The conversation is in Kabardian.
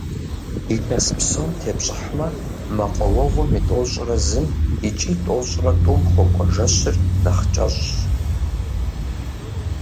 Илъэс псом тепщӀыхьмэ, мэкъуауэгъуэм и тӏощӏрэ зым икӀыу тӏощӏрэ тӏум хуэкӀуэ жэщыр нэхъ кӀэщӀщ.